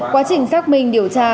quá trình xác minh điều tra